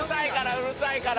うるさいから。